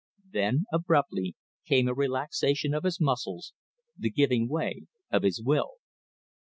Then, abruptly, came a relaxation of his muscles, the giving way of his will.